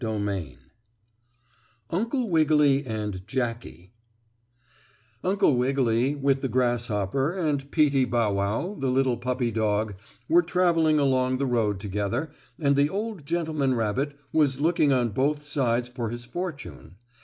STORY XVIII UNCLE WIGGILY AND JACKIE Uncle Wiggily, with the grasshopper, and Peetie Bow Wow, the little puppy dog, were traveling along the road together, and the old gentleman rabbit was looking on both sides for his fortune.